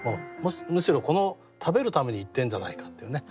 むしろ食べるために行ってんじゃないかっていうね。